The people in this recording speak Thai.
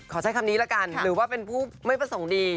ใช้คำนี้ละกันหรือว่าเป็นผู้ไม่ประสงค์ดี